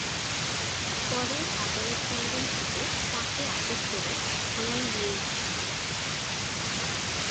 পরে আদালত প্রাঙ্গণ থেকে তাঁকে আটক করে থানায় নিয়ে আসা হয়।